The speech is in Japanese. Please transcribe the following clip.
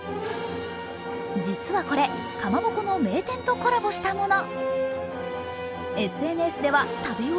実はこれ、かまぼこの名店とコラボしたもの。